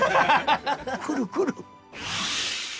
来る来る。